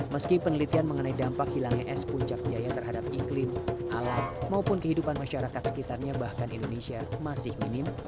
meski penelitian mengenai dampak hilangnya es puncak jaya terhadap iklim alam maupun kehidupan masyarakat sekitarnya bahkan indonesia masih minim